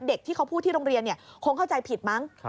เด็กที่เขาพูดที่โรงเรียนคงเข้าใจผิดมั้ง